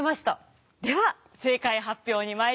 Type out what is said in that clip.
では正解発表にまいります。